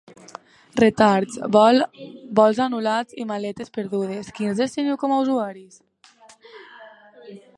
Retards, vols anul·lats i maletes perdudes: quins drets teniu com a usuaris?